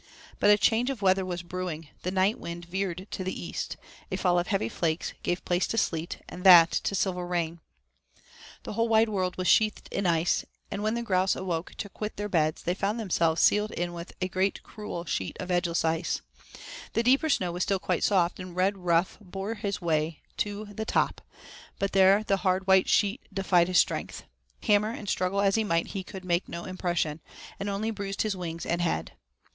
But a change of weather was brewing. The night wind veered to the east. A fall of heavy flakes gave place to sleet, and that to silver rain. The whole wide world was sheathed in ice, and when the grouse awoke to quit their beds, they found themselves sealed in with a great cruel sheet of edgeless ice. The deeper snow was still quite soft, and Redruff bored his way to the top, but there the hard, white sheet defied his strength. Hammer and struggle as he might he could make no impression, and only bruised his wings and head.